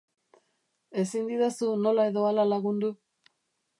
Ezin didazu nola edo hala lagundu?